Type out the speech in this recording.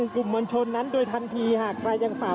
คุณภูริพัฒน์ครับ